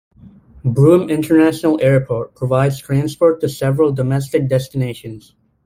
Broome International Airport provides transport to several domestic destinations.